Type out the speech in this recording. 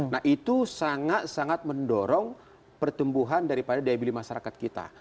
nah itu sangat sangat mendorong pertumbuhan daripada daya beli masyarakat kita